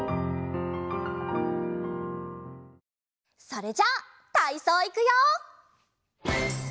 それじゃたいそういくよ！